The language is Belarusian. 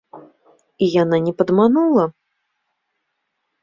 І яна не падманула!